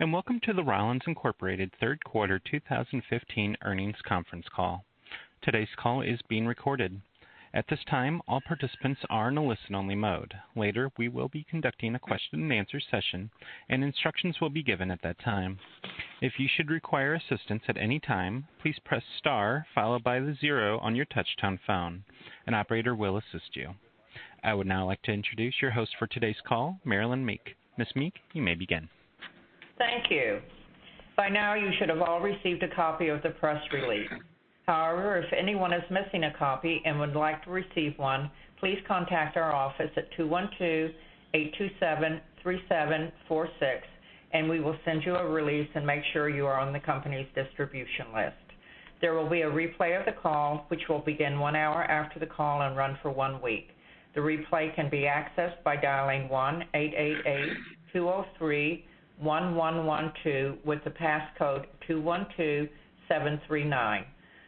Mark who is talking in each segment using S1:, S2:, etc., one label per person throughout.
S1: Welcome to the Rollins, Inc. third quarter 2015 earnings conference call. Today's call is being recorded. At this time, all participants are in a listen-only mode. Later, we will be conducting a question and answer session, and instructions will be given at that time. If you should require assistance at any time, please press star followed by the 0 on your touchtone phone. An operator will assist you. I would now like to introduce your host for today's call, Marilynn Meek. Ms. Meek, you may begin.
S2: Thank you. By now, you should have all received a copy of the press release. If anyone is missing a copy and would like to receive one, please contact our office at 212-827-3746, and we will send you a release and make sure you are on the company's distribution list. There will be a replay of the call, which will begin 1 hour after the call and run for 1 week. The replay can be accessed by dialing 1-888-203-1112 with the passcode 212739.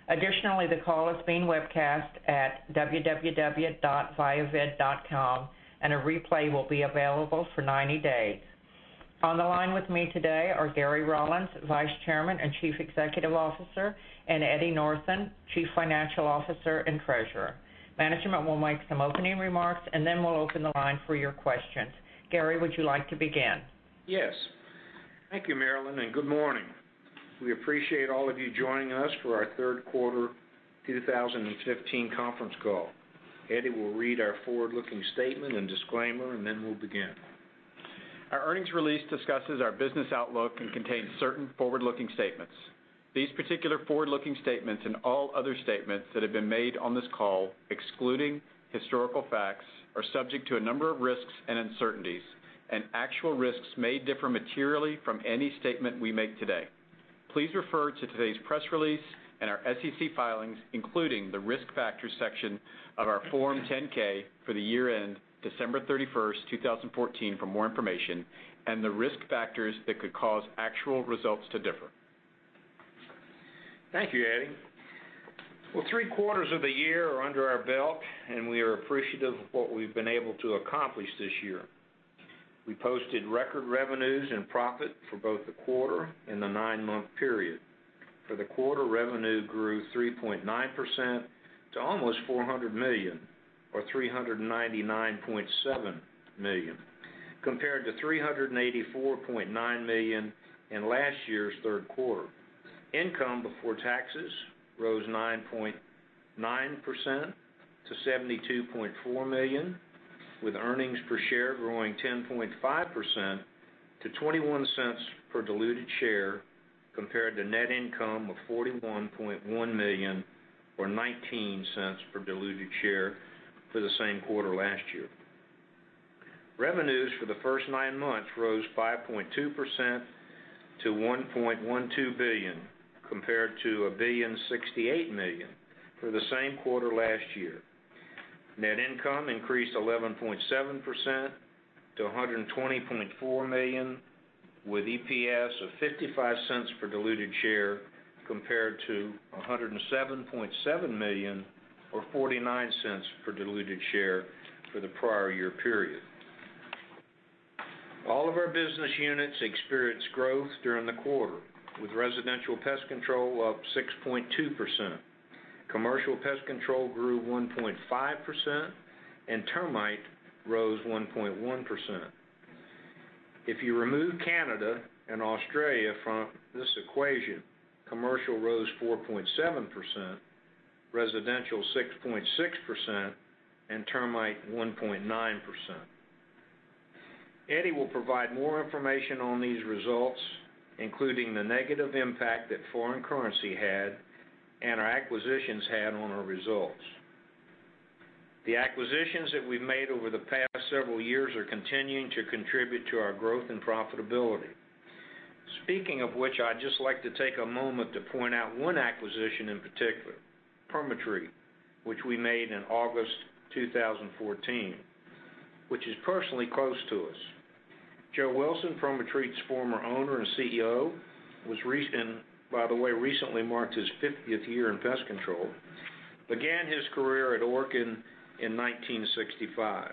S2: The call is being webcast at www.viavid.com, and a replay will be available for 90 days. On the line with me today are Gary Rollins, Vice Chairman and Chief Executive Officer, and Eddie Northen, Chief Financial Officer and Treasurer. Management will make some opening remarks, then we'll open the line for your questions. Gary, would you like to begin?
S3: Yes. Thank you, Marilynn, good morning. We appreciate all of you joining us for our third quarter 2015 conference call. Eddie will read our forward-looking statement and disclaimer, then we'll begin.
S4: Our earnings release discusses our business outlook and contains certain forward-looking statements. These particular forward-looking statements and all other statements that have been made on this call excluding historical facts, are subject to a number of risks and uncertainties, and actual risks may differ materially from any statement we make today. Please refer to today's press release and our SEC filings, including the Risk Factors section of our Form 10-K for the year end December 31st, 2014 for more information and the risk factors that could cause actual results to differ.
S3: Thank you, Eddie. Well, three quarters of the year are under our belt, and we are appreciative of what we've been able to accomplish this year. We posted record revenues and profit for both the quarter and the nine-month period. For the quarter, revenue grew 3.9% to almost $400 million, or $399.7 million, compared to $384.9 million in last year's third quarter. Income before taxes rose 9.9% to $72.4 million, with earnings per share growing 10.5% to $0.21 per diluted share compared to net income of $41.1 million or $0.19 per diluted share for the same quarter last year. Revenues for the first nine months rose 5.2% to $1.12 billion, compared to $1,068,000,000 for the same quarter last year. Net income increased 11.7% to $120.4 million, with EPS of $0.55 per diluted share compared to $107.7 million or $0.49 per diluted share for the prior year period. All of our business units experienced growth during the quarter, with residential pest control up 6.2%. Commercial pest control grew 1.5%, and termite rose 1.1%. If you remove Canada and Australia from this equation, commercial rose 4.7%, residential 6.6%, and termite 1.9%. Eddie will provide more information on these results, including the negative impact that foreign currency had and our acquisitions had on our results. The acquisitions that we've made over the past several years are continuing to contribute to our growth and profitability. Speaking of which, I'd just like to take a moment to point out one acquisition in particular, PermaTreat, which we made in August 2014, which is personally close to us. Joe Wilson, PermaTreat's former owner and CEO, and by the way, recently marked his 50th year in pest control, began his career at Orkin in 1965.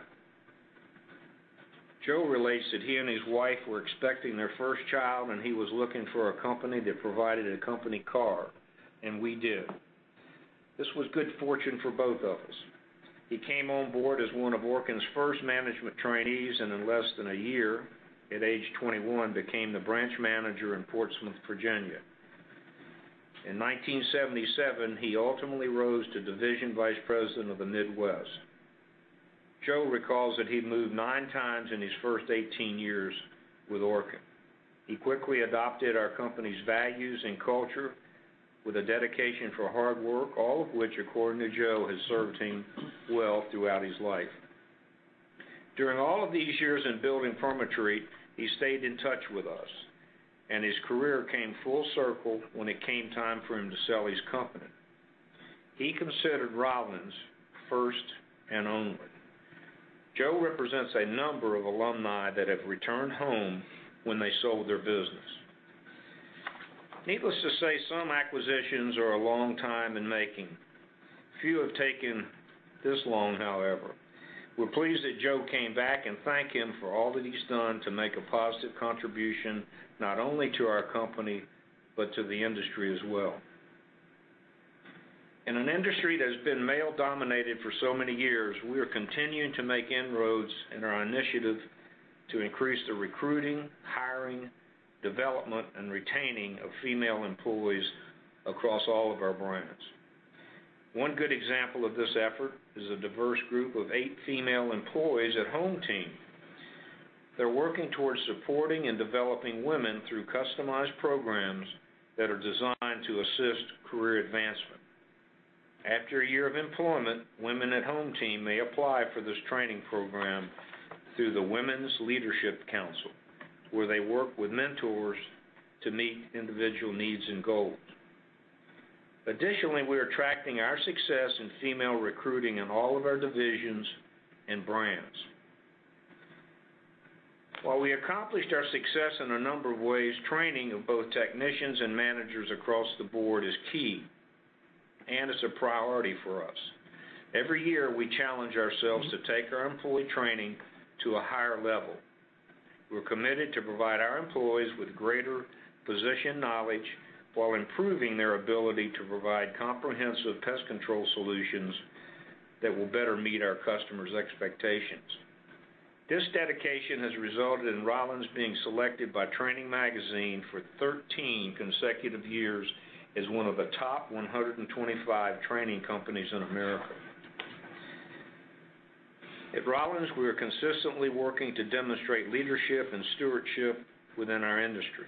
S3: Joe relates that he and his wife were expecting their first child, and he was looking for a company that provided a company car, and we did. This was good fortune for both of us. He came on board as one of Orkin's first management trainees, and in less than a year, at age 21, became the branch manager in Portsmouth, Virginia. In 1977, he ultimately rose to Division Vice President of the Midwest. Joe recalls that he moved nine times in his first 18 years with Orkin. He quickly adopted our company's values and culture with a dedication for hard work, all of which, according to Joe, has served him well throughout his life. During all of these years in building PermaTreat, he stayed in touch with us, and his career came full circle when it came time for him to sell his company. He considered Rollins first and only. Joe represents a number of alumni that have returned home when they sold their business. Needless to say, some acquisitions are a long time in making. Few have taken this long, however. We're pleased that Joe came back and thank him for all that he's done to make a positive contribution, not only to our company, but to the industry as well. In an industry that has been male-dominated for so many years, we are continuing to make inroads in our initiative to increase the recruiting, hiring, development, and retaining of female employees across all of our brands. One good example of this effort is a diverse group of eight female employees at HomeTeam. They're working towards supporting and developing women through customized programs that are designed to assist career advancement. After a year of employment, women at HomeTeam may apply for this training program through the Women's Leadership Council, where they work with mentors to meet individual needs and goals. Additionally, we are tracking our success in female recruiting in all of our divisions and brands. While we accomplished our success in a number of ways, training of both technicians and managers across the board is key and is a priority for us. Every year, we challenge ourselves to take our employee training to a higher level. We're committed to provide our employees with greater position knowledge while improving their ability to provide comprehensive pest control solutions that will better meet our customers' expectations. This dedication has resulted in Rollins being selected by Training magazine for 13 consecutive years as one of the top 125 training companies in America. At Rollins, we are consistently working to demonstrate leadership and stewardship within our industry.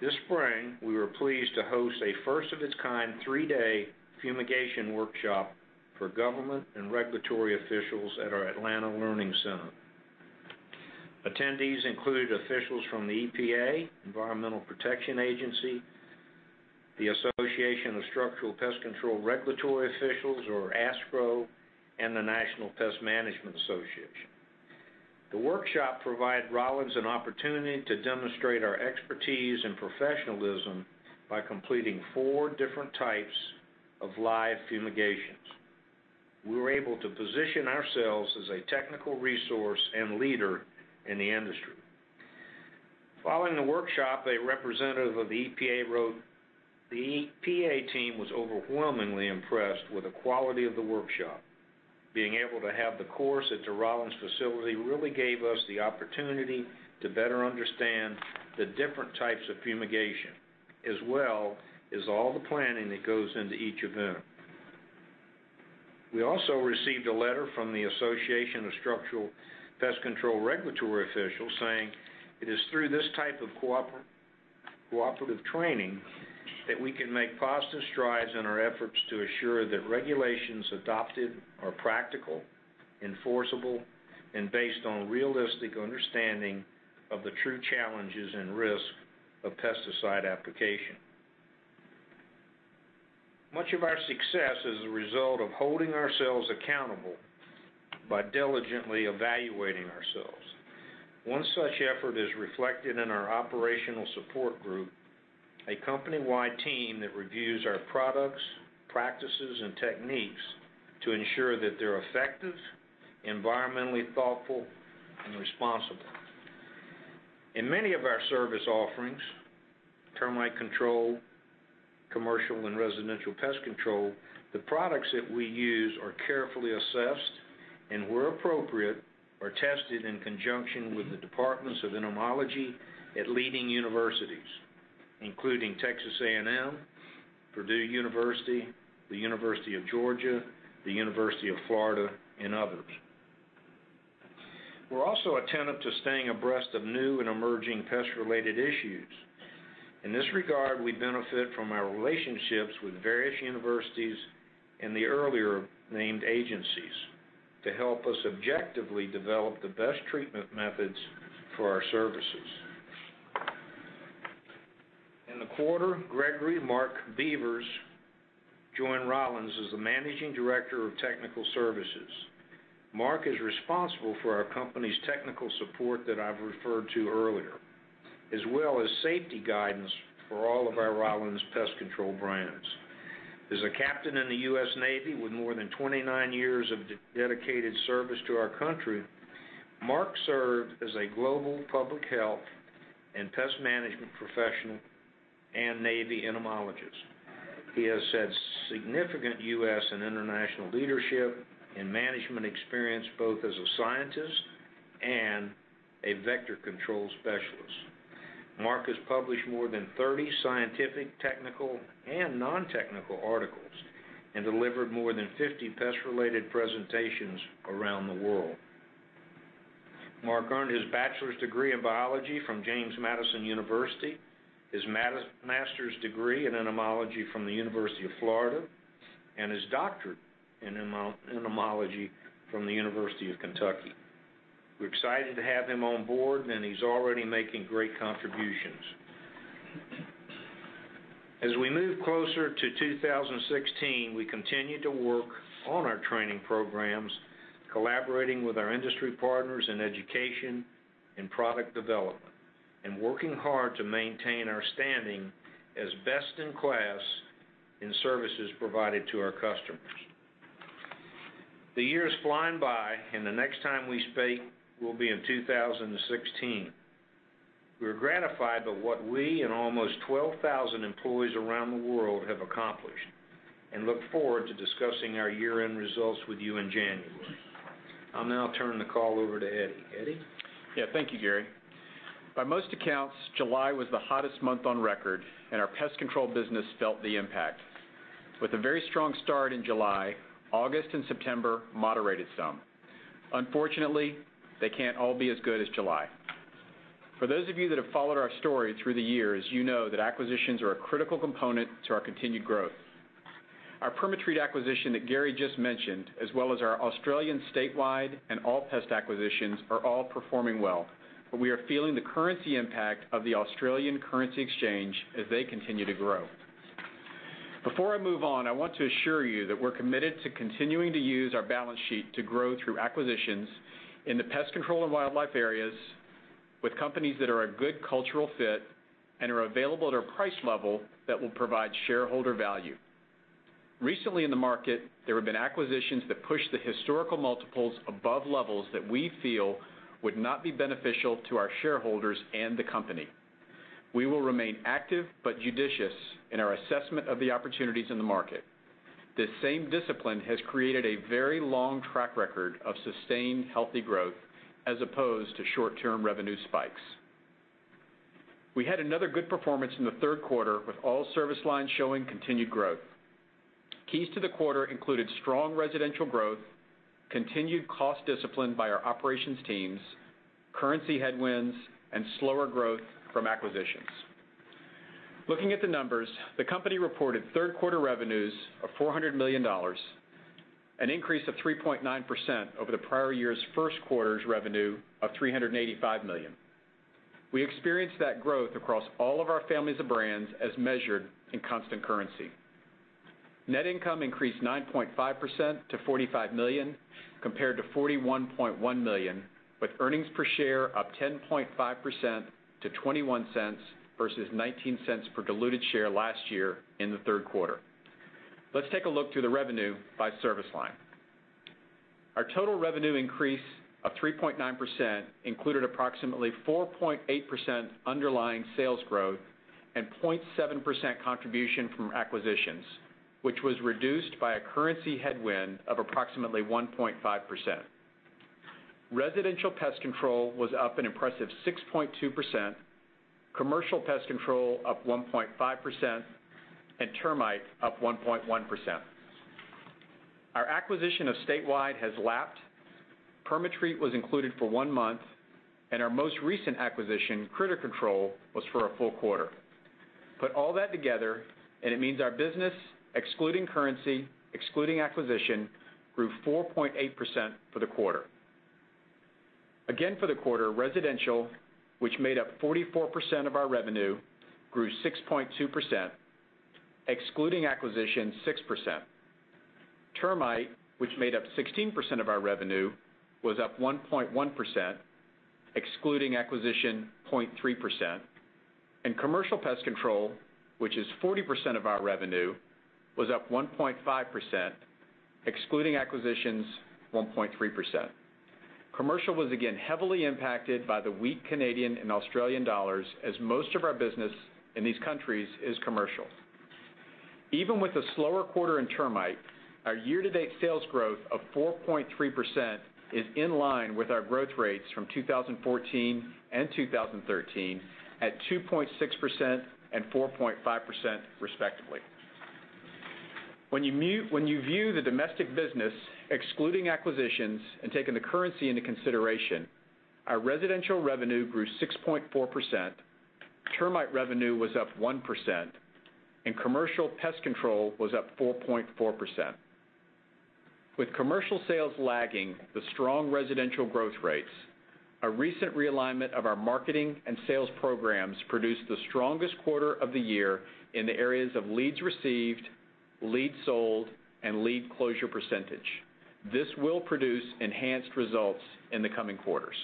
S3: This spring, we were pleased to host a first-of-its-kind three-day fumigation workshop for government and regulatory officials at our Atlanta Learning Center. Attendees included officials from the EPA, Environmental Protection Agency, the Association of Structural Pest Control Regulatory Officials, or ASPCRO, and the National Pest Management Association. The workshop provided Rollins an opportunity to demonstrate our expertise and professionalism by completing 4 different types of live fumigations. We were able to position ourselves as a technical resource and leader in the industry. Following the workshop, a representative of the EPA wrote, "The EPA team was overwhelmingly impressed with the quality of the workshop. Being able to have the course at the Rollins facility really gave us the opportunity to better understand the different types of fumigation, as well as all the planning that goes into each event." We also received a letter from the Association of Structural Pest Control Regulatory Officials saying, "It is through this type of cooperative training that we can make positive strides in our efforts to assure that regulations adopted are practical, enforceable, and based on realistic understanding of the true challenges and risk of pesticide application." Much of our success is a result of holding ourselves accountable by diligently evaluating ourselves. One such effort is reflected in our operational support group, a company-wide team that reviews our products, practices, and techniques to ensure that they're effective, environmentally thoughtful, and responsible. In many of our service offerings, termite control, commercial and residential pest control, the products that we use are carefully assessed, and where appropriate, are tested in conjunction with the departments of entomology at leading universities, including Texas A&M, Purdue University, the University of Georgia, the University of Florida, and others. We're also attentive to staying abreast of new and emerging pest-related issues. In this regard, we benefit from our relationships with various universities and the earlier named agencies to help us objectively develop the best treatment methods for our services. In the quarter, Gregory Mark Beavers joined Rollins as the Managing Director of Technical Services. Mark is responsible for our company's technical support that I've referred to earlier, as well as safety guidance for all of our Rollins pest control brands. As a captain in the U.S. Navy with more than 29 years of dedicated service to our country, Mark served as a global public health and pest management professional and Navy entomologist. He has had significant U.S. and international leadership and management experience, both as a scientist and a vector control specialist. Mark has published more than 30 scientific, technical, and non-technical articles and delivered more than 50 pest-related presentations around the world. Mark earned his bachelor's degree in biology from James Madison University, his master's degree in entomology from the University of Florida, and his doctorate in entomology from the University of Kentucky. We're excited to have him on board, and he's already making great contributions. As we move closer to 2016, we continue to work on our training programs, collaborating with our industry partners in education and product development, and working hard to maintain our standing as best in class in services provided to our customers. The year is flying by, and the next time we speak will be in 2016. We're gratified by what we and almost 12,000 employees around the world have accomplished and look forward to discussing our year-end results with you in January. I'll now turn the call over to Eddie. Eddie?
S4: Yeah. Thank you, Gary. By most accounts, July was the hottest month on record, and our pest control business felt the impact. With a very strong start in July, August and September moderated some. Unfortunately, they can't all be as good as July. For those of you that have followed our story through the years, you know that acquisitions are a critical component to our continued growth. Our PermaTreat acquisition that Gary just mentioned, as well as our Australian Statewide and Allpest acquisitions are all performing well. But we are feeling the currency impact of the Australian currency exchange as they continue to grow. Before I move on, I want to assure you that we're committed to continuing to use our balance sheet to grow through acquisitions in the pest control and wildlife areas with companies that are a good cultural fit and are available at a price level that will provide shareholder value. Recently in the market, there have been acquisitions that pushed the historical multiples above levels that we feel would not be beneficial to our shareholders and the company. We will remain active but judicious in our assessment of the opportunities in the market. This same discipline has created a very long track record of sustained healthy growth as opposed to short-term revenue spikes. We had another good performance in the third quarter with all service lines showing continued growth. Keys to the quarter included strong residential growth, continued cost discipline by our operations teams, currency headwinds, slower growth from acquisitions. Looking at the numbers, the company reported third-quarter revenues of $400 million, an increase of 3.9% over the prior year's first quarter's revenue of $385 million. We experienced that growth across all of our families of brands as measured in constant currency. Net income increased 9.5% to $45 million compared to $41.1 million, with earnings per share up 10.5% to $0.21 versus $0.19 per diluted share last year in the third quarter. Let's take a look through the revenue by service line. Our total revenue increase of 3.9% included approximately 4.8% underlying sales growth and 0.7% contribution from acquisitions, which was reduced by a currency headwind of approximately 1.5%. Residential pest control was up an impressive 6.2%, commercial pest control up 1.5%, and termite up 1.1%. Our acquisition of Statewide has lapped. PermaTreat was included for one month, and our most recent acquisition, Critter Control, was for a full quarter. Put all that together, it means our business, excluding currency, excluding acquisition, grew 4.8% for the quarter. Again, for the quarter, residential, which made up 44% of our revenue, grew 6.2%, excluding acquisition, 6%. Termite, which made up 16% of our revenue, was up 1.1%, excluding acquisition, 0.3%. Commercial pest control, which is 40% of our revenue, was up 1.5%, excluding acquisitions, 1.3%. Commercial was again heavily impacted by the weak Canadian and Australian dollars as most of our business in these countries is commercial. Even with a slower quarter in termite, our year-to-date sales growth of 4.3% is in line with our growth rates from 2014 and 2013 at 2.6% and 4.5% respectively. When you view the domestic business, excluding acquisitions and taking the currency into consideration, our residential revenue grew 6.4%, termite revenue was up 1%, commercial pest control was up 4.4%. With commercial sales lagging the strong residential growth rates, a recent realignment of our marketing and sales programs produced the strongest quarter of the year in the areas of leads received, leads sold, and lead closure percentage. This will produce enhanced results in the coming quarters.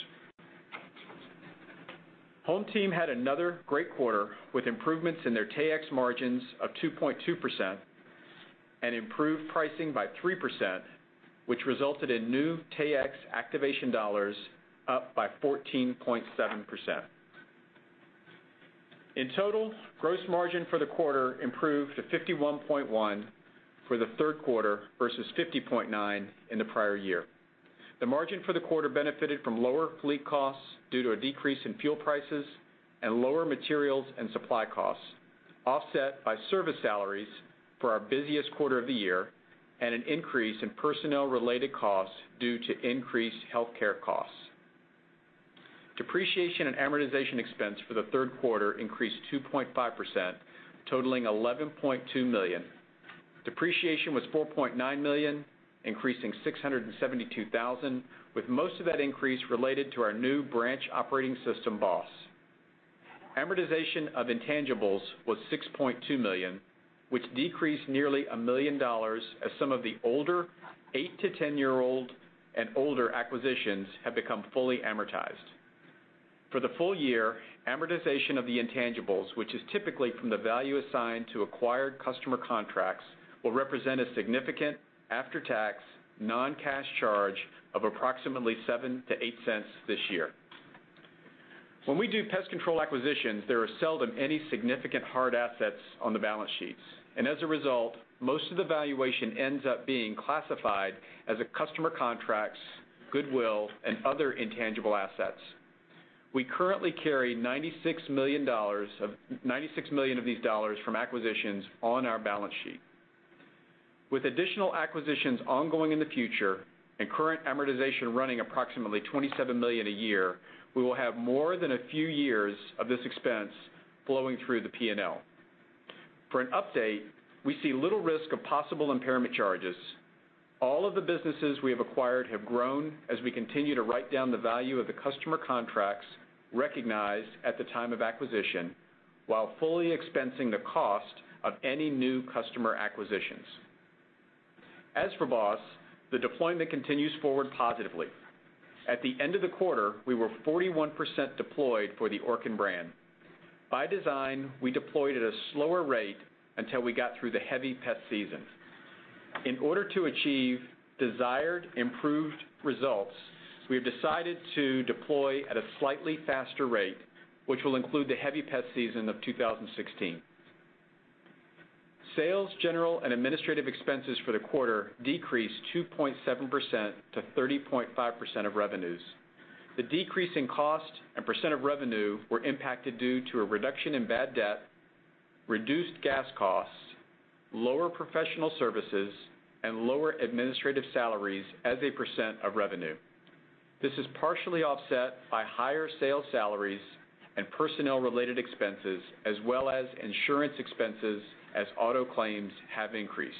S4: HomeTeam had another great quarter with improvements in their Taexx margins of 2.2% and improved pricing by 3%, which resulted in new Taexx activation dollars up by 14.7%. In total, gross margin for the quarter improved to 51.1% for the third quarter versus 50.9% in the prior year. The margin for the quarter benefited from lower fleet costs due to a decrease in fuel prices and lower materials and supply costs, offset by service salaries for our busiest quarter of the year and an increase in personnel-related costs due to increased healthcare costs. Depreciation and amortization expense for the third quarter increased 2.5%, totaling $11.2 million. Depreciation was $4.9 million, increasing $672,000, with most of that increase related to our new branch operating system, BOSS. Amortization of intangibles was $6.2 million, which decreased nearly $1 million as some of the older 8-10-year-old and older acquisitions have become fully amortized. For the full year, amortization of the intangibles, which is typically from the value assigned to acquired customer contracts, will represent a significant after-tax non-cash charge of approximately $0.07-$0.08 this year. When we do pest control acquisitions, there are seldom any significant hard assets on the balance sheets, and as a result, most of the valuation ends up being classified as a customer contracts, goodwill, and other intangible assets. We currently carry $96 million of these dollars from acquisitions on our balance sheet. With additional acquisitions ongoing in the future and current amortization running approximately $27 million a year, we will have more than a few years of this expense flowing through the P&L. For an update, we see little risk of possible impairment charges. All of the businesses we have acquired have grown as we continue to write down the value of the customer contracts recognized at the time of acquisition while fully expensing the cost of any new customer acquisitions. As for BOSS, the deployment continues forward positively. At the end of the quarter, we were 41% deployed for the Orkin brand. By design, we deployed at a slower rate until we got through the heavy pest season. In order to achieve desired improved results, we have decided to deploy at a slightly faster rate, which will include the heavy pest season of 2016. Sales, general, and administrative expenses for the quarter decreased 2.7% to 30.5% of revenues. The decrease in cost and percent of revenue were impacted due to a reduction in bad debt, reduced gas costs, lower professional services, and lower administrative salaries as a percent of revenue. This is partially offset by higher sales salaries and personnel-related expenses, as well as insurance expenses, as auto claims have increased.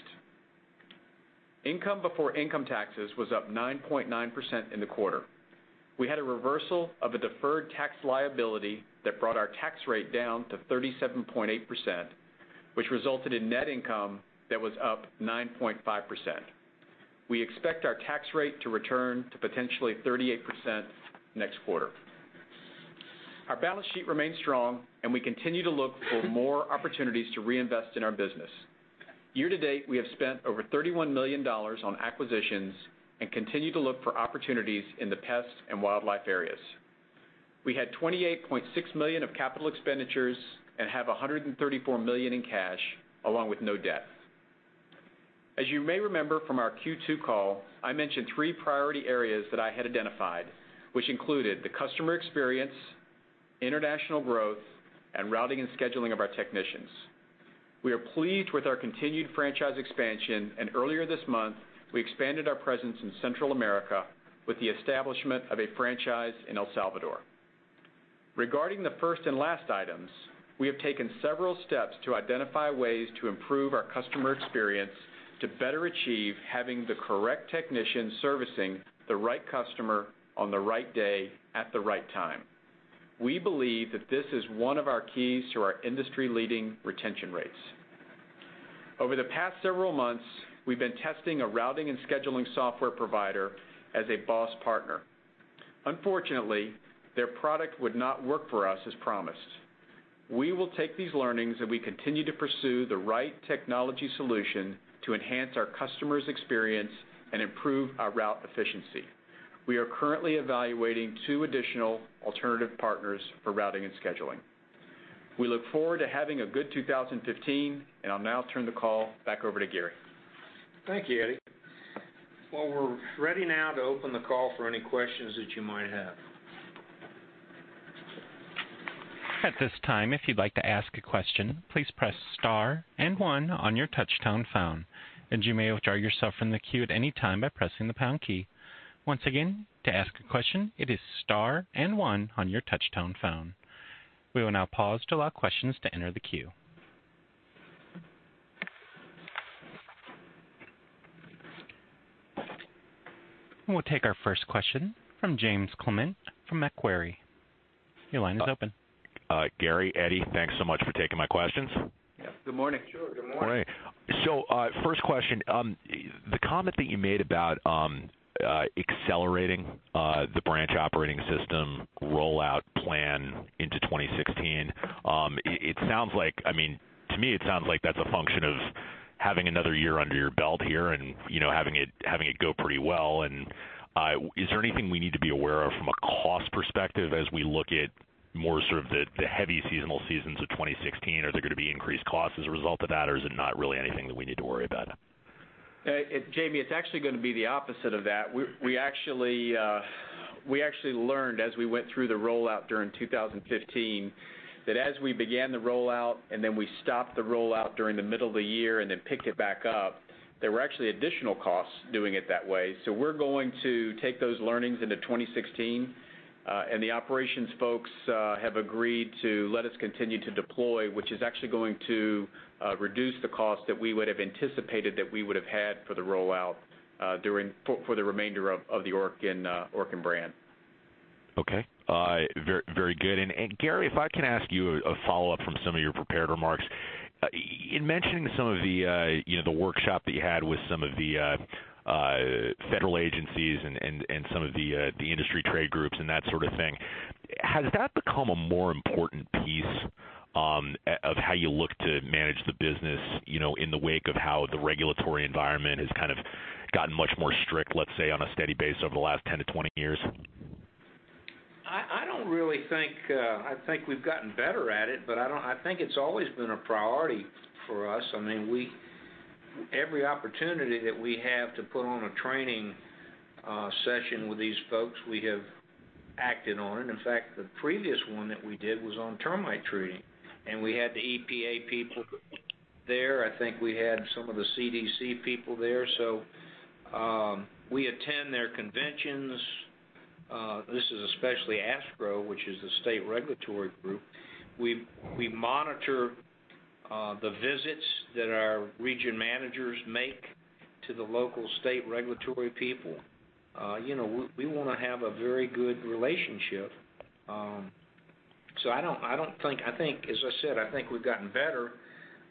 S4: Income before income taxes was up 9.9% in the quarter. We had a reversal of a deferred tax liability that brought our tax rate down to 37.8%, which resulted in net income that was up 9.5%. We expect our tax rate to return to potentially 38% next quarter. Our balance sheet remains strong, and we continue to look for more opportunities to reinvest in our business. Year-to-date, we have spent over $31 million on acquisitions and continue to look for opportunities in the pest and wildlife areas. We had $28.6 million of capital expenditures and have $134 million in cash along with no debt. As you may remember from our Q2 call, I mentioned three priority areas that I had identified, which included the customer experience, international growth, and routing and scheduling of our technicians. We are pleased with our continued franchise expansion. Earlier this month, we expanded our presence in Central America with the establishment of a franchise in El Salvador. Regarding the first and last items, we have taken several steps to identify ways to improve our customer experience to better achieve having the correct technician servicing the right customer on the right day at the right time. We believe that this is one of our keys to our industry-leading retention rates. Over the past several months, we've been testing a routing and scheduling software provider as a BOSS partner. Unfortunately, their product would not work for us as promised. We will take these learnings, and we continue to pursue the right technology solution to enhance our customers' experience and improve our route efficiency. We are currently evaluating two additional alternative partners for routing and scheduling. We look forward to having a good 2015. I'll now turn the call back over to Gary.
S3: Thank you, Eddie. Well, we're ready now to open the call for any questions that you might have.
S1: At this time, if you'd like to ask a question, please press star and one on your touchtone phone. You may withdraw yourself from the queue at any time by pressing the pound key. Once again, to ask a question, it is star and one on your touchtone phone. We will now pause to allow questions to enter the queue. We'll take our first question from James Clement from Macquarie. Your line is open.
S5: Gary, Eddie, thanks so much for taking my questions.
S4: Yeah. Good morning.
S3: Sure. Good morning.
S5: Great. First question. The comment that you made about accelerating the branch operating system rollout plan into 2016, to me, it sounds like that's a function of having another year under your belt here and having it go pretty well. Is there anything we need to be aware of from a cost perspective as we look at more sort of the heavy seasonal seasons of 2016? Are there going to be increased costs as a result of that, or is it not really anything that we need to worry about?
S4: Jamie, it's actually going to be the opposite of that. We actually learned as we went through the rollout during 2015 that as we began the rollout and then we stopped the rollout during the middle of the year and then picked it back up. There were actually additional costs doing it that way. We're going to take those learnings into 2016. The operations folks have agreed to let us continue to deploy, which is actually going to reduce the cost that we would have anticipated that we would have had for the rollout for the remainder of the Orkin brand.
S5: Okay. Very good. Gary, if I can ask you a follow-up from some of your prepared remarks. In mentioning some of the workshop that you had with some of the federal agencies and some of the industry trade groups and that sort of thing, has that become a more important piece of how you look to manage the business, in the wake of how the regulatory environment has kind of gotten much more strict, let's say, on a steady base over the last 10 to 20 years?
S3: I think we've gotten better at it, but I think it's always been a priority for us. Every opportunity that we have to put on a training session with these folks, we have acted on it. In fact, the previous one that we did was on termite treating. We had the EPA people there. I think we had some of the CDC people there. We attend their conventions. This is especially ASPCRO, which is the state regulatory group. We monitor the visits that our region managers make to the local state regulatory people. We want to have a very good relationship. As I said, I think we've gotten better,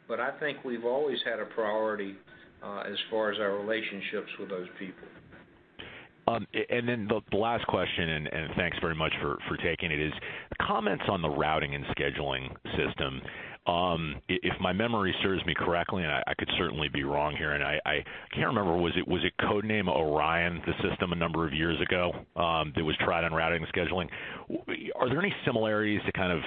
S3: but I think we've always had a priority, as far as our relationships with those people.
S5: The last question, thanks very much for taking it, is comments on the routing and scheduling system. If my memory serves me correctly, I could certainly be wrong here, I can't remember, was it code-named ORION, the system a number of years ago, that was tried on routing and scheduling? Are there any similarities to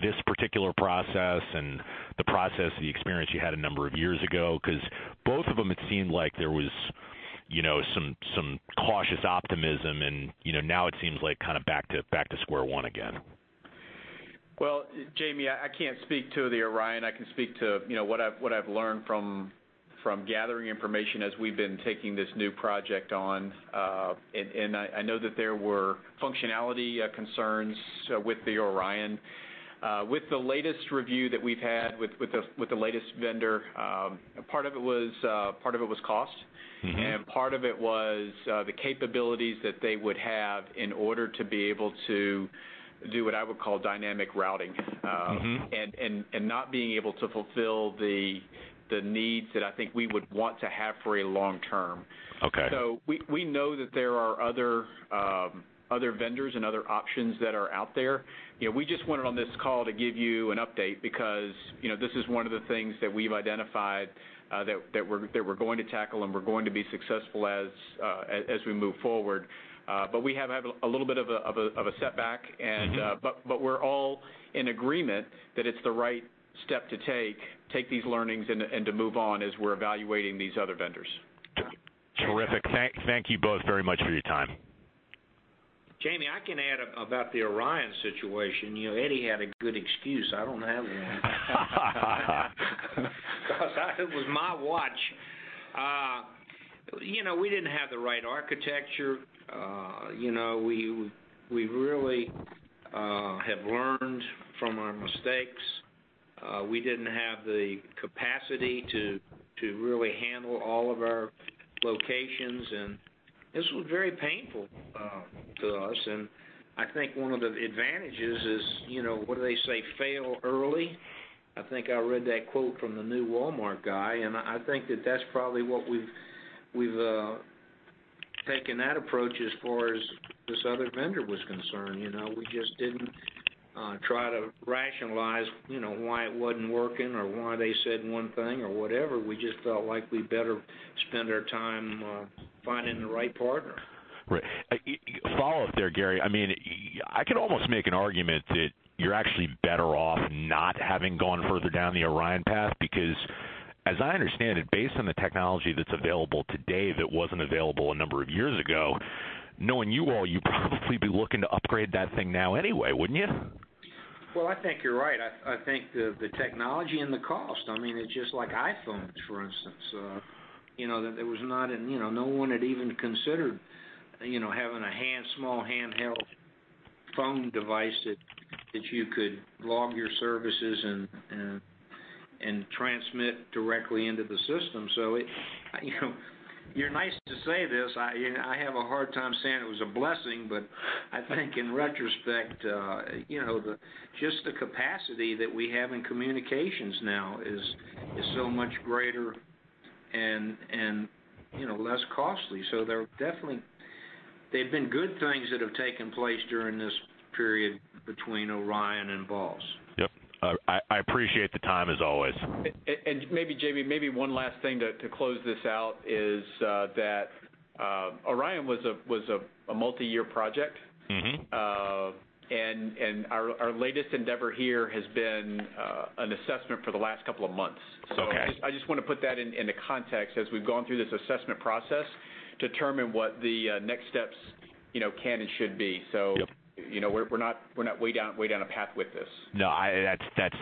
S5: this particular process and the process or the experience you had a number of years ago? Because both of them, it seemed like there was some cautious optimism, and now it seems like back to square one again.
S4: Well, Jamie, I can't speak to the ORION. I can speak to what I've learned from gathering information as we've been taking this new project on. I know that there were functionality concerns with the ORION. With the latest review that we've had with the latest vendor, part of it was cost. Part of it was the capabilities that they would have in order to be able to do, what I would call, dynamic routing. Not being able to fulfill the needs that I think we would want to have for a long term.
S5: Okay.
S4: We know that there are other vendors and other options that are out there. We just went on this call to give you an update because this is one of the things that we've identified that we're going to tackle and we're going to be successful as we move forward. We have had a little bit of a setback. We're all in agreement that it's the right step to take these learnings and to move on as we're evaluating these other vendors.
S5: Terrific. Thank you both very much for your time.
S3: James, I can add about the ORION situation. Eddie had a good excuse. I don't have one. It was my watch. We didn't have the right architecture. We really have learned from our mistakes. We didn't have the capacity to really handle all of our locations, and this was very painful to us. I think one of the advantages is, what do they say? "Fail early." I think I read that quote from the new Walmart guy, and I think that's probably what we've taken that approach as far as this other vendor was concerned. We just didn't try to rationalize why it wasn't working or why they said one thing or whatever. We just felt like we better spend our time on finding the right partner.
S5: Right. Follow-up there, Gary. I could almost make an argument that you're actually better off not having gone further down the ORION path because, as I understand it, based on the technology that's available today that wasn't available a number of years ago, knowing you all, you'd probably be looking to upgrade that thing now anyway, wouldn't you?
S3: Well, I think you're right. I think the technology and the cost. It's just like iPhones, for instance. No one had even considered having a small handheld phone device that you could log your services and transmit directly into the system. You're nice to say this. I have a hard time saying it was a blessing, but I think in retrospect, just the capacity that we have in communications now is so much greater and less costly. They've been good things that have taken place during this period between ORION and BOSS.
S5: Yep. I appreciate the time, as always.
S4: Maybe, James, maybe one last thing to close this out is that ORION was a multi-year project. Our latest endeavor here has been an assessment for the last couple of months.
S5: Okay.
S4: I just want to put that into context as we've gone through this assessment process to determine what the next steps can and should be.
S5: Yep.
S4: We're not way down a path with this.
S5: No,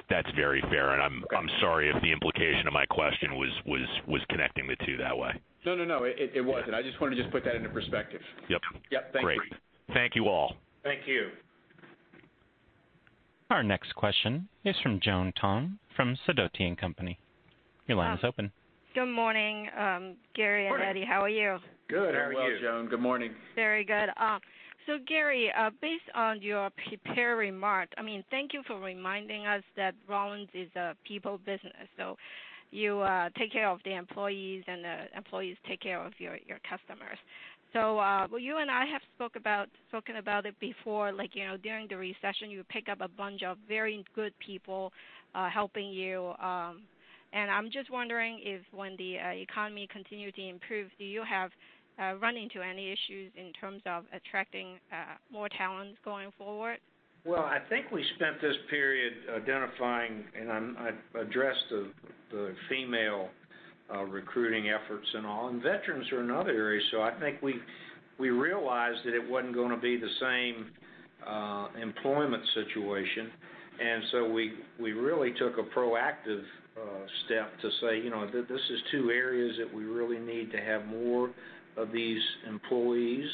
S5: that's very fair. Okay. I'm sorry if the implication of my question was connecting the two that way.
S4: No. It wasn't. I just wanted to just put that into perspective.
S5: Yep. Yep. Thank you. Great. Thank you all.
S4: Thank you.
S1: Our next question is from Joe Tong from Sidoti & Company. Your line is open.
S6: Good morning, Gary and Eddie. How are you?
S3: Good. How are you?
S4: Very well, Joe. Good morning.
S6: Very good. Gary, based on your prepared remarks, thank you for reminding us that Rollins is a people business. You take care of the employees, and the employees take care of your customers. You and I have spoken about it before, like, during the recession, you pick up a bunch of very good people helping you. I'm just wondering if when the economy continues to improve, have you run into any issues in terms of attracting more talent going forward?
S3: Well, I think we spent this period identifying, I addressed the female recruiting efforts and all, veterans are another area. I think we realized that it wasn't going to be the same employment situation. We really took a proactive step to say, "These are two areas that we really need to have more of these employees."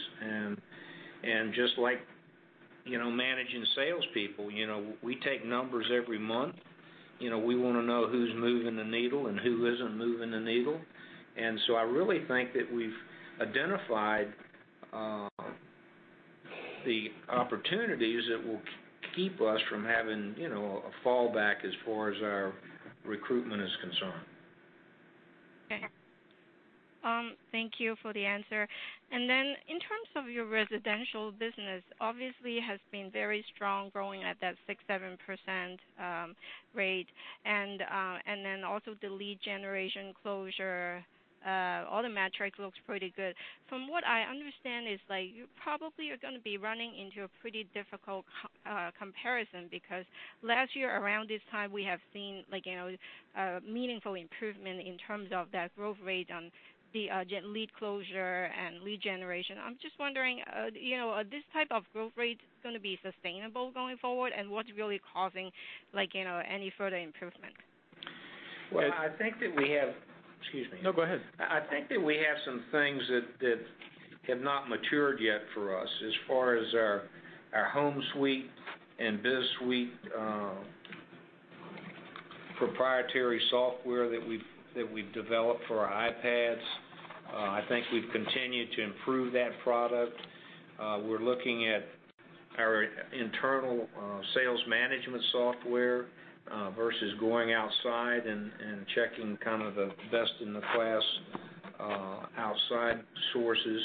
S3: Just like managing salespeople, we take numbers every month. We want to know who's moving the needle and who isn't moving the needle. I really think that we've identified the opportunities that will keep us from having a fallback as far as our recruitment is concerned.
S6: Okay. Thank you for the answer. In terms of your residential business, obviously has been very strong, growing at that 6%, 7% rate. Also the lead generation closure, all the metrics look pretty good. From what I understand, it's like you probably are going to be running into a pretty difficult comparison because last year around this time, we have seen meaningful improvement in terms of that growth rate on the lead closure and lead generation. I'm just wondering, this type of growth rate is going to be sustainable going forward, and what's really causing any further improvement?
S3: Well, I think that Excuse me.
S5: No, go ahead.
S3: I think that we have some things that have not matured yet for us as far as our HomeSuite and BizSuite proprietary software that we've developed for our iPads. I think we've continued to improve that product. We're looking at our internal sales management software versus going outside and checking kind of the best in the class outside sources.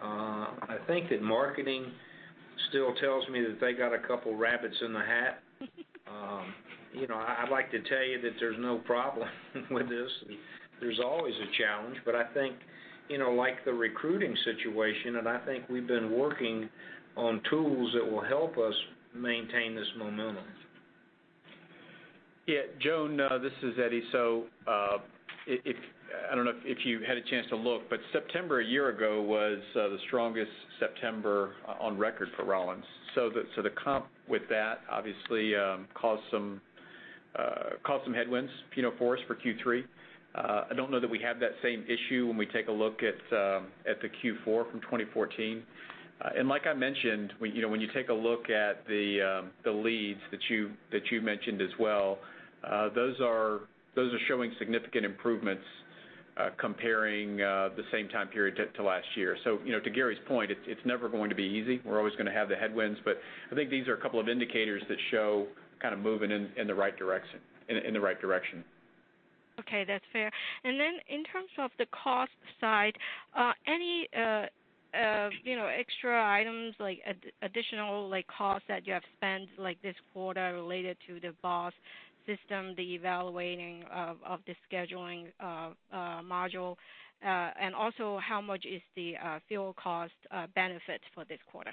S3: I think that marketing still tells me that they got a couple rabbits in the hat. I'd like to tell you that there's no problem with this. There's always a challenge, but I think, like the recruiting situation, and I think we've been working on tools that will help us maintain this momentum.
S4: Yeah, Joe, this is Eddie. I don't know if you had a chance to look, but September a year ago was the strongest September on record for Rollins. The comp with that obviously caused some headwinds for us for Q3. I don't know that we have that same issue when we take a look at the Q4 from 2014. Like I mentioned, when you take a look at the leads that you mentioned as well, those are showing significant improvements comparing the same time period to last year. To Gary's point, it's never going to be easy. We're always going to have the headwinds, but I think these are a couple of indicators that show kind of moving in the right direction.
S6: Okay. That's fair. Then in terms of the cost side, any extra items, like additional costs that you have spent like this quarter related to the BOSS system, the evaluating of the scheduling module, and also how much is the fuel cost benefits for this quarter?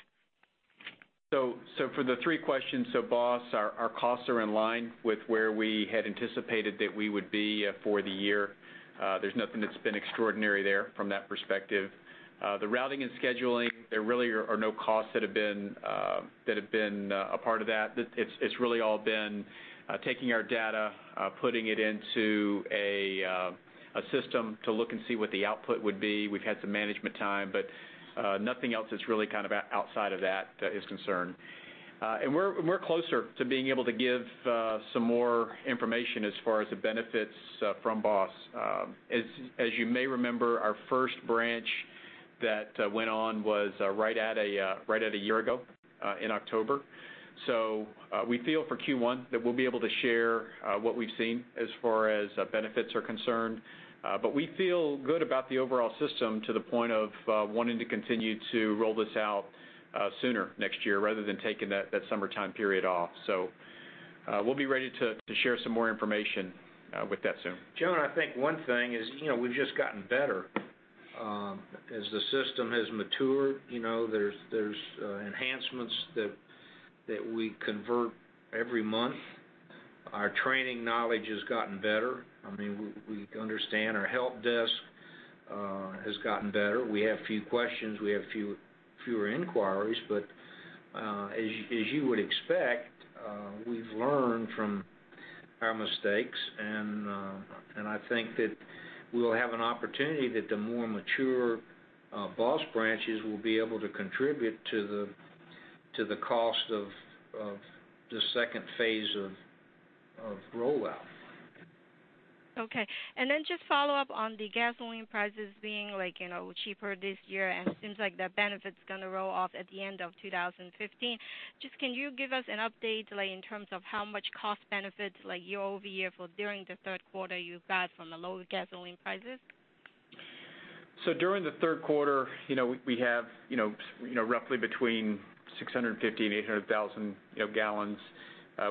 S4: For the three questions, BOSS, our costs are in line with where we had anticipated that we would be for the year. There's nothing that's been extraordinary there from that perspective. The routing and scheduling, there really are no costs that have been a part of that. It's really all been taking our data, putting it into a system to look and see what the output would be. We've had some management time, but nothing else that's really kind of outside of that is concerned. We're closer to being able to give some more information as far as the benefits from BOSS. As you may remember, our first branch that went on was right at a year ago in October. We feel for Q1 that we'll be able to share what we've seen as far as benefits are concerned.
S3: We feel good about the overall system to the point of wanting to continue to roll this out sooner next year rather than taking that summertime period off. We'll be ready to share some more information with that soon. Joe, I think one thing is we've just gotten better As the system has matured, there's enhancements that we convert every month. Our training knowledge has gotten better. I mean, we understand our help desk has gotten better. We have few questions. We have fewer inquiries. As you would expect, we've learned from our mistakes, and I think that we'll have an opportunity that the more mature BOSS branches will be able to contribute to the cost of the phase 2 of rollout.
S6: Okay. Just follow up on the gasoline prices being cheaper this year, and it seems like that benefit is going to roll off at the end of 2015. Just, can you give us an update in terms of how much cost benefit, year-over-year for during the third quarter you got from the lower gasoline prices?
S4: During the third quarter, we have roughly between 650,000 and 800,000 gallons.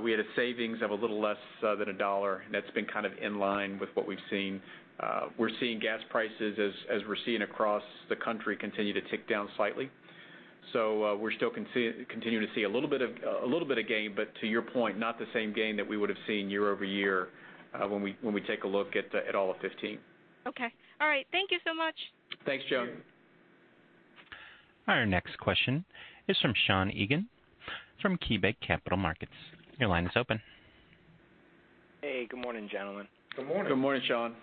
S4: We had a savings of a little less than $1, and that's been kind of in line with what we've seen. We're seeing gas prices as we're seeing across the country, continue to tick down slightly. We're still continuing to see a little bit of gain, to your point, not the same gain that we would have seen year-over-year when we take a look at all of 2015.
S6: Okay. All right. Thank you so much.
S4: Thanks, Joe.
S1: Our next question is from Sean Egan from KeyBanc Capital Markets. Your line is open.
S7: Hey, good morning, gentlemen.
S4: Good morning.
S3: Good morning, Sean.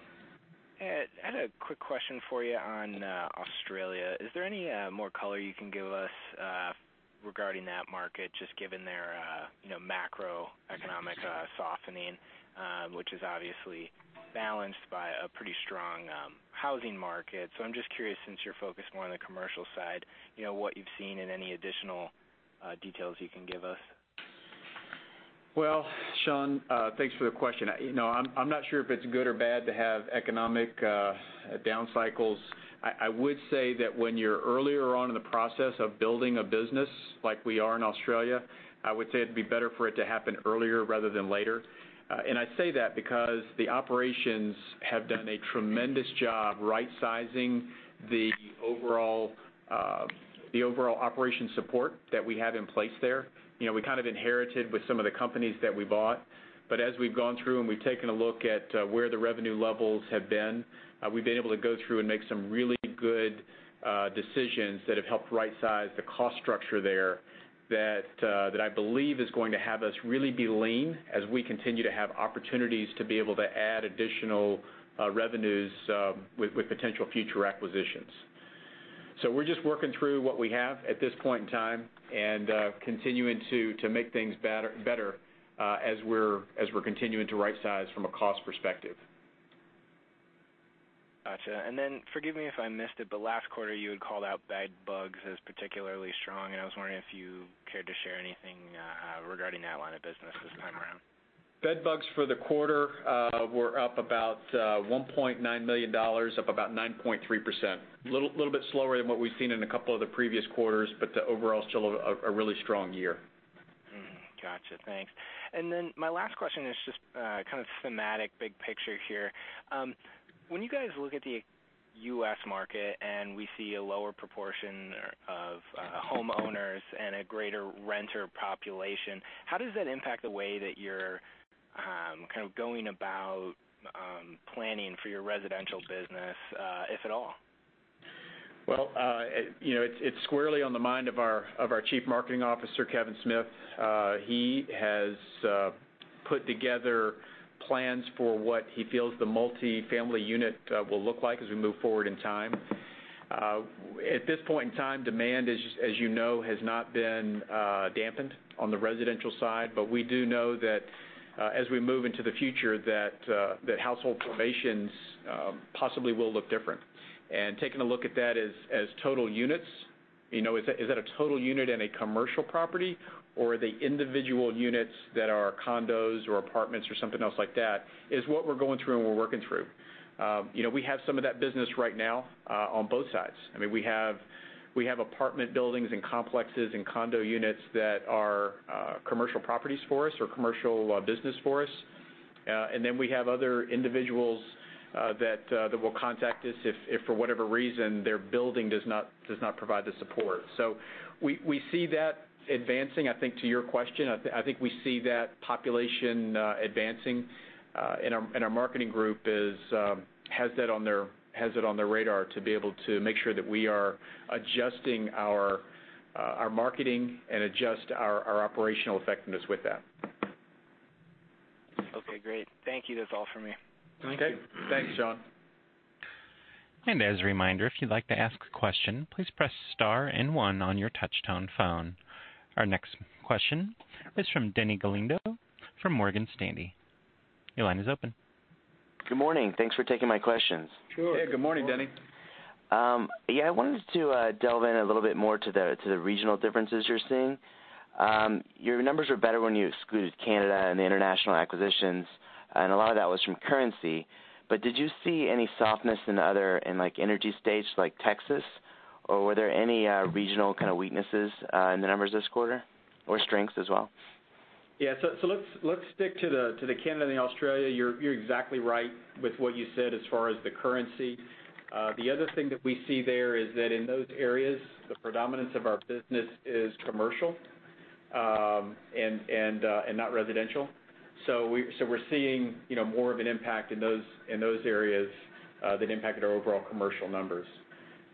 S7: I had a quick question for you on Australia. Is there any more color you can give us regarding that market, just given their macroeconomic softening, which is obviously balanced by a pretty strong housing market. I'm just curious, since you're focused more on the commercial side, what you've seen and any additional details you can give us.
S4: Well, Sean, thanks for the question. I'm not sure if it's good or bad to have economic down cycles. I would say that when you're earlier on in the process of building a business, like we are in Australia, I would say it'd be better for it to happen earlier rather than later. I say that because the operations have done a tremendous job right-sizing the overall operation support that we have in place there. We kind of inherited with some of the companies that we bought. As we've gone through and we've taken a look at where the revenue levels have been, we've been able to go through and make some really good decisions that have helped right-size the cost structure there, that I believe is going to have us really be lean as we continue to have opportunities to be able to add additional revenues with potential future acquisitions. We're just working through what we have at this point in time and continuing to make things better as we're continuing to right-size from a cost perspective.
S7: Got you. Forgive me if I missed it, last quarter, you had called out bed bugs as particularly strong, I was wondering if you cared to share anything regarding that line of business this time around.
S4: Bed bugs for the quarter were up about $1.9 million, up about 9.3%. Little bit slower than what we've seen in a couple of the previous quarters, the overall is still a really strong year.
S7: Got you. Thanks. My last question is just kind of thematic, big picture here. When you guys look at the U.S. market and we see a lower proportion of homeowners and a greater renter population, how does that impact the way that you're going about planning for your residential business, if at all?
S4: Well, it's squarely on the mind of our Chief Marketing Officer, Kevin Smith. He has put together plans for what he feels the multifamily unit will look like as we move forward in time. At this point in time, demand is, as you know, has not been dampened on the residential side, we do know that as we move into the future, that household formations possibly will look different. Taking a look at that as total units, is that a total unit in a commercial property, or are they individual units that are condos or apartments or something else like that, is what we're going through and we're working through. We have some of that business right now on both sides. I mean, we have apartment buildings and complexes and condo units that are commercial properties for us or commercial business for us. We have other individuals that will contact us if for whatever reason, their building does not provide the support. We see that advancing, I think to your question, I think we see that population advancing, and our marketing group has that on their radar to be able to make sure that we are adjusting our marketing and adjust our operational effectiveness with that.
S7: Okay, great. Thank you. That's all for me.
S4: Okay. Thanks, Sean.
S1: As a reminder, if you'd like to ask a question, please press star and one on your touchtone phone. Our next question is from Denny Galindo from Morgan Stanley. Your line is open.
S8: Good morning. Thanks for taking my questions.
S3: Sure. Yeah, good morning, Denny.
S8: Yeah, I wanted to delve in a little bit more to the regional differences you're seeing. Your numbers are better when you excluded Canada and the international acquisitions, and a lot of that was from currency. Did you see any softness in other, in like energy states like Texas? Were there any regional kind of weaknesses in the numbers this quarter or strengths as well?
S4: Yeah. Let's stick to the Canada and the Australia. You're exactly right with what you said as far as the currency. The other thing that we see there is that in those areas, the predominance of our business is commercial, and not residential. We're seeing more of an impact in those areas that impacted our overall commercial numbers.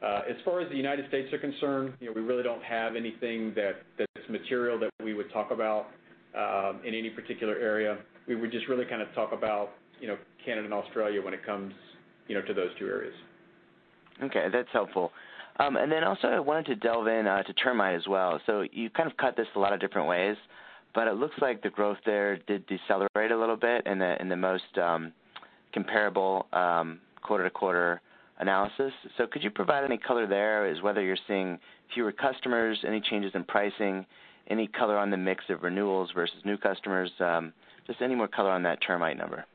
S4: As far as the United States are concerned, we really don't have anything that's material that we would talk about in any particular area. We would just really talk about Canada and Australia when it comes to those two areas.
S8: Okay, that's helpful. Also I wanted to delve into termite as well. You've kind of cut this a lot of different ways, but it looks like the growth there did decelerate a little bit in the most comparable quarter-to-quarter analysis. Could you provide any color there as whether you're seeing fewer customers, any changes in pricing, any color on the mix of renewals versus new customers? Just any more color on that termite number.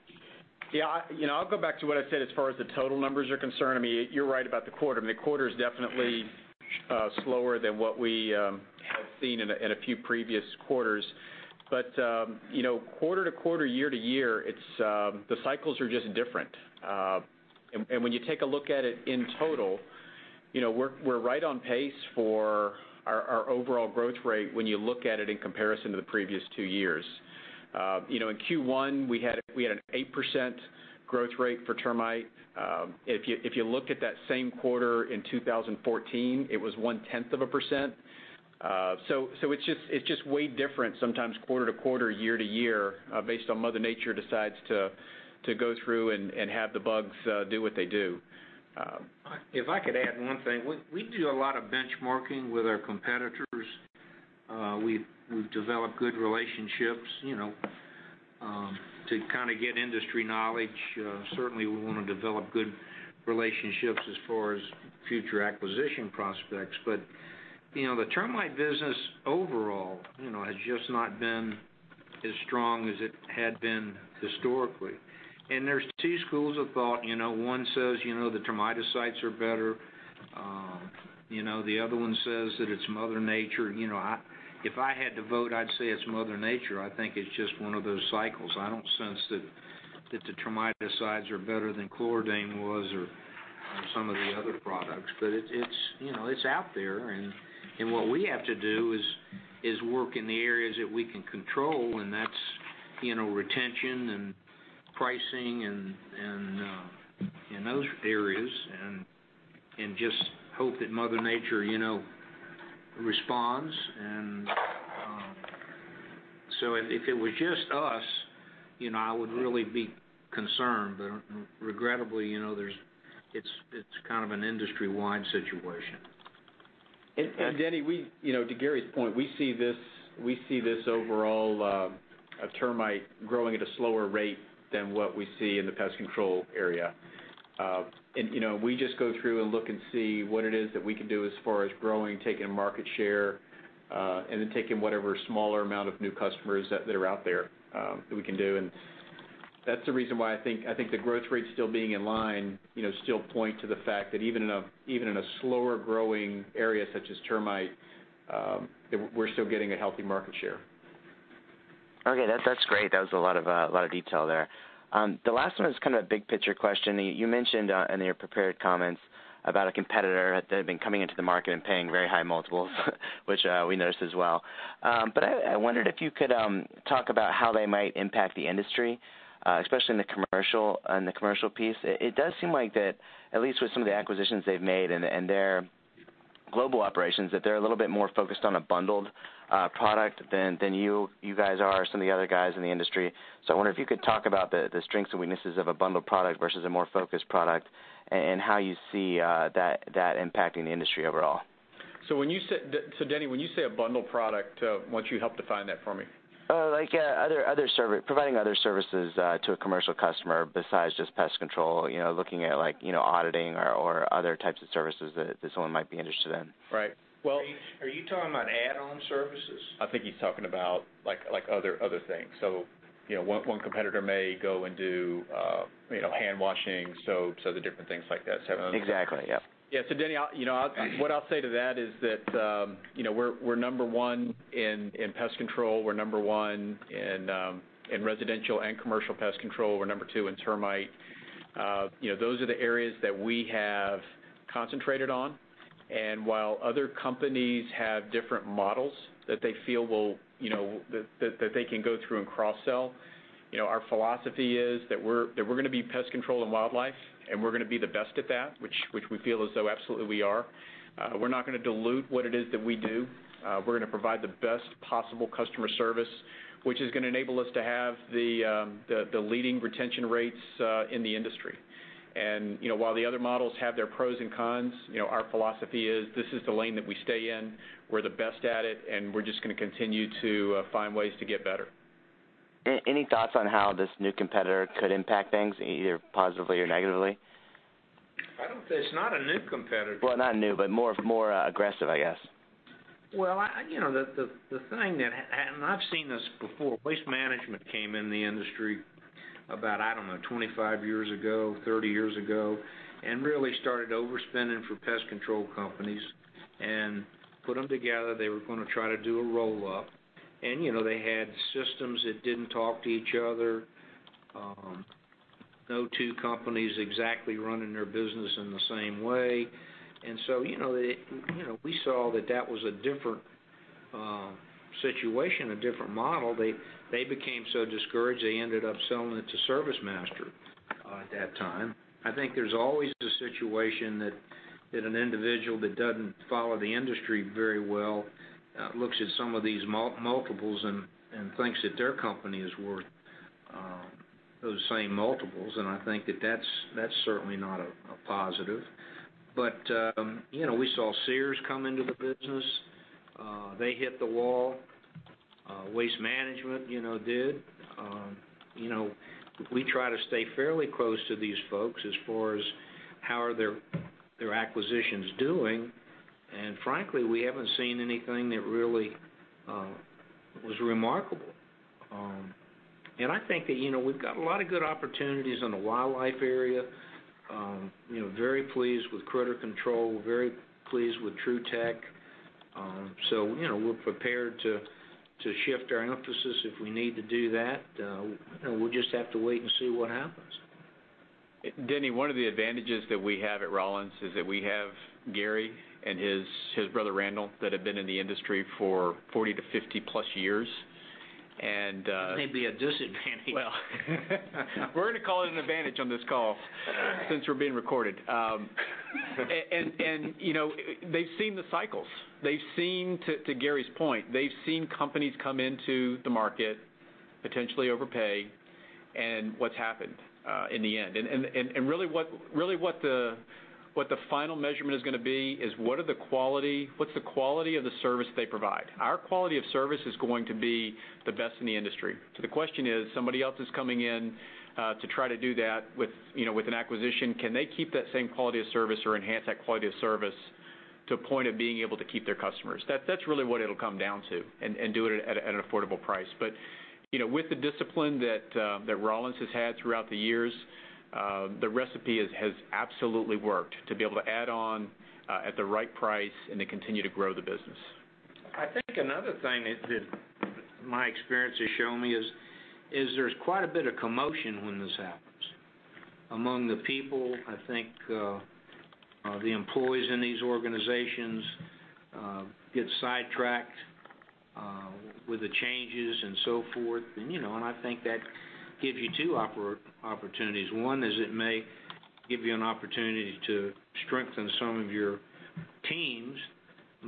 S4: I'll go back to what I said as far as the total numbers are concerned. You're right about the quarter. I mean, the quarter's definitely slower than what we had seen in a few previous quarters. Quarter-to-quarter, year-to-year, the cycles are just different. When you take a look at it in total, we're right on pace for our overall growth rate when you look at it in comparison to the previous 2 years. In Q1, we had an 8% growth rate for termite. If you look at that same quarter in 2014, it was 0.1%. It's just way different sometimes quarter-to-quarter, year-to-year, based on Mother Nature decides to go through and have the bugs do what they do.
S3: If I could add 1 thing, we do a lot of benchmarking with our competitors. We've developed good relationships to get industry knowledge. Certainly, we want to develop good relationships as far as future acquisition prospects. The termite business overall has just not been as strong as it had been historically. There's 2 schools of thought. One says the termiticides are better. The other one says that it's Mother Nature. If I had to vote, I'd say it's Mother Nature. I don't sense that the termiticides are better than Chlordane was or some of the other products. It's out there, and what we have to do is work in the areas that we can control, and that's retention and pricing and those areas and just hope that Mother Nature responds. If it was just us, I would really be concerned. Regrettably, it's kind of an industry-wide situation.
S4: Denny, to Gary's point, we see this overall termite growing at a slower rate than what we see in the pest control area. We just go through and look and see what it is that we can do as far as growing, taking market share, then taking whatever smaller amount of new customers that are out there, that we can do. That's the reason why I think the growth rates still being in line still point to the fact that even in a slower-growing area such as termite, that we're still getting a healthy market share.
S8: Okay. That's great. That was a lot of detail there. The last one is kind of a big-picture question. You mentioned in your prepared comments about a competitor that had been coming into the market and paying very high multiples, which we noticed as well. I wondered if you could talk about how they might impact the industry, especially on the commercial piece. It does seem like that, at least with some of the acquisitions they've made and their global operations, that they're a little bit more focused on a bundled product than you guys are, some of the other guys in the industry. I wonder if you could talk about the strengths and weaknesses of a bundled product versus a more focused product and how you see that impacting the industry overall.
S4: Denny, when you say a bundled product, why don't you help define that for me?
S8: Like providing other services to a commercial customer besides just pest control, looking at auditing or other types of services that someone might be interested in.
S4: Right.
S3: Are you talking about add-on services?
S4: I think he's talking about other things. One competitor may go and do hand washing soaps, other different things like that.
S8: Exactly, yep.
S4: Yeah. Denny, what I'll say to that is that we're number 1 in pest control. We're number 1 in residential and commercial pest control. We're number 2 in termite. Those are the areas that we have concentrated on. While other companies have different models that they feel that they can go through and cross-sell, our philosophy is that we're going to be pest control and wildlife, and we're going to be the best at that, which we feel as though absolutely we are. We're not going to dilute what it is that we do. We're going to provide the best possible customer service, which is going to enable us to have the leading retention rates in the industry. While the other models have their pros and cons, our philosophy is this is the lane that we stay in. We're the best at it, and we're just going to continue to find ways to get better.
S8: Any thoughts on how this new competitor could impact things, either positively or negatively?
S3: It's not a new competitor.
S8: Well, not new, but more aggressive, I guess.
S3: I've seen this before. Waste Management came in the industry about, I don't know, 25 years ago, 30 years ago, really started overspending for pest control companies and put them together. They were going to try to do a roll-up. They had systems that didn't talk to each other. No two companies exactly running their business in the same way. We saw that that was a different situation, a different model. They became so discouraged, they ended up selling it to ServiceMaster at that time. I think there's always the situation that an individual that doesn't follow the industry very well looks at some of these multiples and thinks that their company is worth those same multiples. I think that that's certainly not a positive. We saw Sears come into the business. They hit the wall. Waste Management did. We try to stay fairly close to these folks as far as how are their acquisitions doing. Frankly, we haven't seen anything that really was remarkable. I think that we've got a lot of good opportunities in the wildlife area. Very pleased with Critter Control, very pleased with TruTech. We're prepared to shift our emphasis if we need to do that. We'll just have to wait and see what happens.
S4: Denny, one of the advantages that we have at Rollins is that we have Gary and his brother Randall, that have been in the industry for 40 to 50 plus years.
S3: May be a disadvantage.
S4: Well, we're going to call it an advantage on this call since we're being recorded. They've seen the cycles. To Gary's point, they've seen companies come into the market, potentially overpay, and what's happened in the end. Really what the final measurement is going to be is what's the quality of the service they provide. Our quality of service is going to be the best in the industry. So the question is, somebody else is coming in to try to do that with an acquisition. Can they keep that same quality of service or enhance that quality of service to a point of being able to keep their customers? That's really what it'll come down to. Do it at an affordable price. With the discipline that Rollins has had throughout the years, the recipe has absolutely worked to be able to add on at the right price and to continue to grow the business.
S3: I think another thing that my experience has shown me is there's quite a bit of commotion when this happens among the people. I think the employees in these organizations get sidetracked with the changes and so forth. I think that gives you two opportunities. One is it may give you an opportunity to strengthen some of your teams.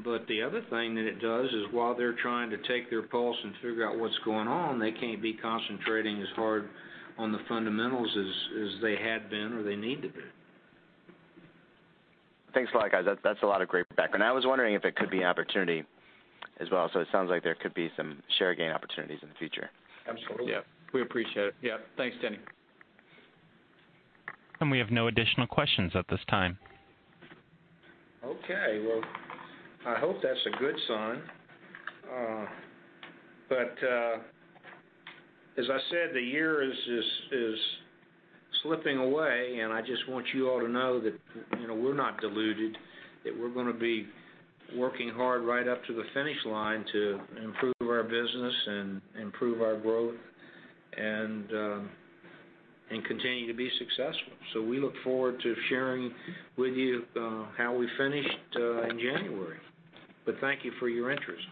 S3: The other thing that it does is while they're trying to take their pulse and figure out what's going on, they can't be concentrating as hard on the fundamentals as they had been, or they need to be.
S8: Thanks a lot, guys. That's a lot of great background. I was wondering if it could be an opportunity as well. It sounds like there could be some share gain opportunities in the future.
S3: Absolutely.
S4: Yeah. We appreciate it. Yeah, thanks, Denny.
S1: We have no additional questions at this time.
S3: Okay. Well, I hope that's a good sign. As I said, the year is slipping away, and I just want you all to know that we're not deluded, that we're going to be working hard right up to the finish line to improve our business and improve our growth, and continue to be successful. We look forward to sharing with you how we finished in January. Thank you for your interest.